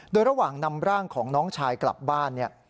โดยระหว่างนำร่างของน้องชายกลับบ้านเนี่ย